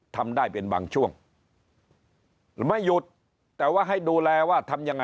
ทำได้เป็นบางช่วงไม่หยุดแต่ว่าให้ดูแลว่าทำยังไง